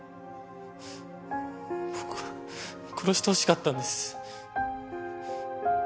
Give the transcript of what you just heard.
僕は殺してほしかったんです。